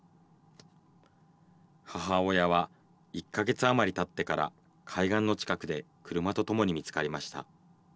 母親は１か月余りたってから、海岸の近くで車と共に見つかりました。